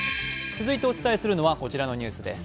続いてお伝えするのはこちらのニュースです。